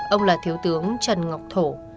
ông là thiếu tướng trần ngọc thổ